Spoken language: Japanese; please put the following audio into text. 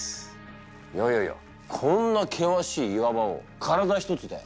いやいやいやこんな険しい岩場を体ひとつで！？